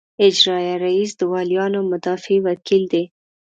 اجرائیه رییس د والیانو مدافع وکیل دی.